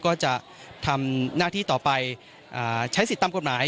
ก็จะทำหน้าที่ต่อไปใช้สิทธิ์ตามกฎหมาย